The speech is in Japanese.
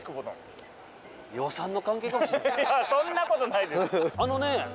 そんなことないです。